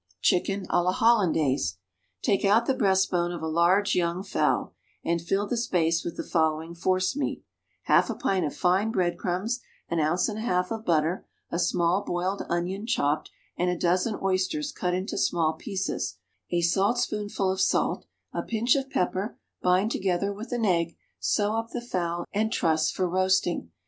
Chicken à la Hollandaise. Take out the breast bone of a large young fowl, and fill the space with the following force meat: half a pint of fine bread crumbs, an ounce and a half of butter, a small boiled onion chopped, and a dozen oysters cut into small pieces; a saltspoonful of salt, a pinch of pepper; bind together with an egg, sew up the fowl, and truss for roasting.